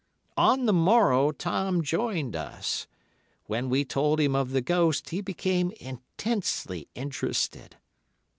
"On the morrow Tom joined us. When we told him of the ghost, he became intensely interested.